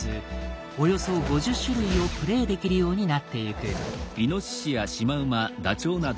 およそ５０種類をプレイできるようになってゆく。